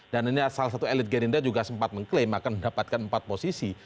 dan ini salah satu elit gerindai juga sempat mengklaim akan mendapatkan empat posisi